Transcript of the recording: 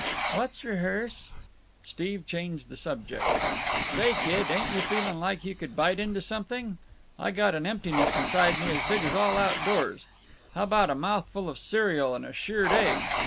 "What's rehearse?" Steve changed the subject. "Say, kid, ain't you feeling like you could bite into something? I got an emptiness inside me as big as all outdoors. How about a mouthful of cereal and a shirred egg?